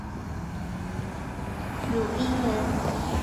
汝阴人。